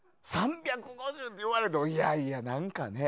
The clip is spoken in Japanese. ３５０って言われていやいや何かね。